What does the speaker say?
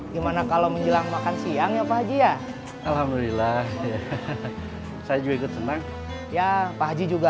gimana kalau menjelang makan siang ya pak haji ya alhamdulillah saya juga ikut senang ya pak haji juga